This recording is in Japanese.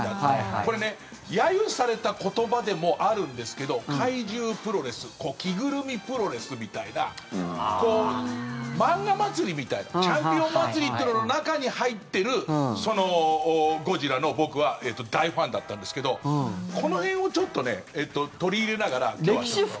これね、揶揄された言葉でもあるんですけど、怪獣プロレス着ぐるみプロレスみたいなまんがまつりみたいなチャンピオンまつりというものの中に入ってるゴジラの僕は大ファンだったんですけどこの辺を取り入れながら。